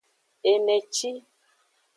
Eneci.